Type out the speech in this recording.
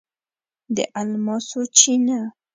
د الماسو چینه